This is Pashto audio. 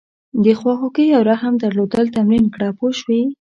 د خواخوږۍ او رحم درلودل تمرین کړه پوه شوې!.